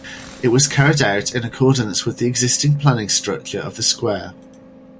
It was carried out in accordance with the existing planning structure of the square.